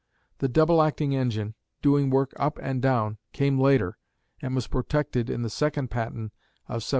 The double acting engine doing work up and down came later, and was protected in the second patent of 1780.